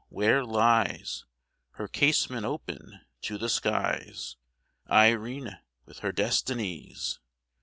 where lies (Her casement open to the skies) Irene, with her Destinies!